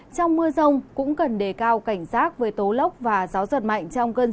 trong mưa rông cũng cần đề cao cảnh giác với tố lốc và gió rất mạnh